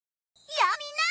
やあみんな！